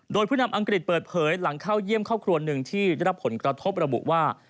โดยผู้นำอังกฤษเปิดเผยหลังเข้าเยี่ยมครอบครัวหนึ่งที่ได้รับผลกระทบระบุว่า